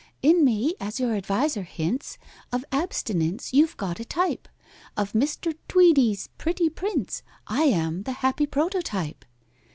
"In me, as your adviser hints, Of Abstinence you've got a type— Of MR. TWEEDIE'S pretty prints I am the happy prototype.